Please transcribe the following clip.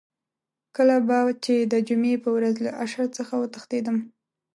کله به چې د جمعې په ورځ له اشر څخه وتښتېدم.